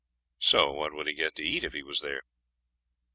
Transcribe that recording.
'What would he get to eat if he was there?'